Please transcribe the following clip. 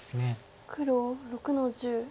黒６の十。